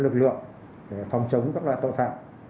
lực lượng phòng chống các loại tội phạm